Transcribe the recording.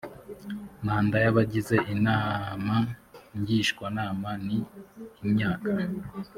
manda y abagize inama ngishwanama ni imyaka